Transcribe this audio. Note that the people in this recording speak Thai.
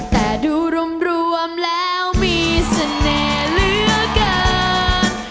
แต่ดูรวมแล้วมีเสน่ห์เหลือเกิน